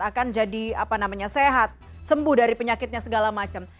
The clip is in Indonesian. akan jadi sehat sembuh dari penyakitnya segala macam